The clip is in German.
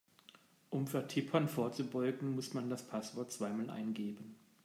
Um Vertippern vorzubeugen, muss man das Passwort zweimal eingeben.